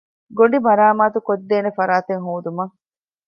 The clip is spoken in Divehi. ގޮނޑި މަރާމާތުކޮށްދޭނެ ފަރާތެއް ހޯދުމަށް